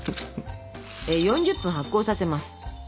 ４０分発酵させます。